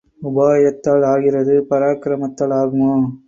உபாயத்தால் ஆகிறது பராக்கிரமத்தால் ஆகுமா?